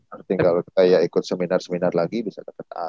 berarti kalo ikut seminar seminar lagi bisa dapet a